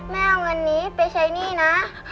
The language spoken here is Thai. แม่เอาเงินนี้ไปใช้หนี้นะ